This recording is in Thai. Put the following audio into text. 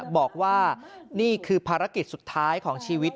บอกว่านี่คือภารกิจสุดท้ายของชีวิต